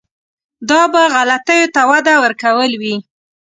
دا به غلطیو ته وده ورکول وي.